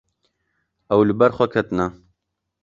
Ew li ber xwe ketine.